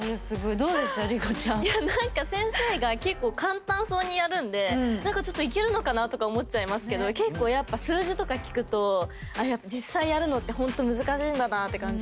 いや何か先生が結構簡単そうにやるんで何かちょっといけるのかなとか思っちゃいますけど結構やっぱ数字とか聞くとああ実際やるのってほんと難しいんだなって感じました。